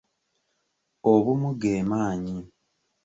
Obumu ge maanyi.